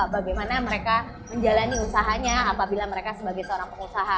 bagaimana mereka menjalani usahanya apabila mereka sebagai seorang pengusaha